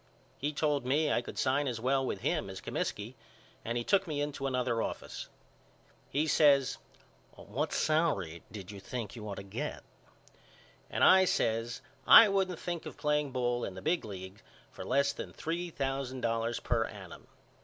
He told me I could sign as well with him as Comiskey and he took me into another office. He says What salary did you think you ought to get? and I says I wouldn't think of playing ball in the big league for less than three thousand dollars per annum.